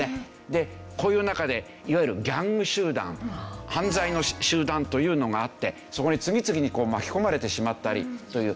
でこういう中でいわゆるギャング集団犯罪の集団というのがあってそこに次々に巻き込まれてしまったりという。